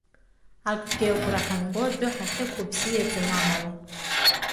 Акгьы агәра ҳамго адәы ҳахьықәу бзиаӡам амала.